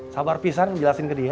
sabar pisan jelasin ke dia